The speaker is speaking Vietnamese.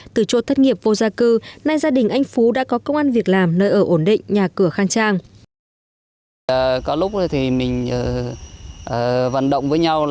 từ chốt thất nghiệp vô gia cư nay gia đình anh phú đã có công an việc làm nơi ở ổn định nhà cửa khang trang